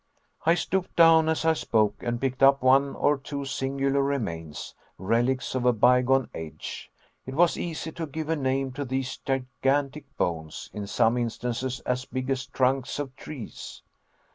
I stooped down as I spoke, and picked up one or two singular remains, relics of a bygone age. It was easy to give a name to these gigantic bones, in some instances as big as trunks of trees.